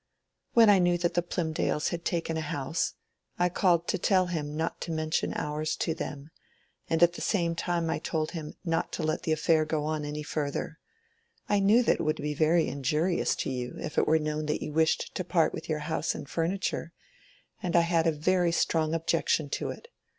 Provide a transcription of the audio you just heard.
"When I knew that the Plymdales had taken a house, I called to tell him not to mention ours to them; and at the same time I told him not to let the affair go on any further. I knew that it would be very injurious to you if it were known that you wished to part with your house and furniture, and I had a very strong objection to it.